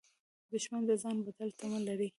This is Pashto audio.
دښمن د ځان بدل تمه لري